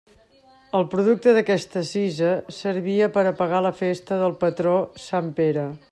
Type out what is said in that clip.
El producte d'aquesta cisa servia per a pagar la festa del patró sant Pere.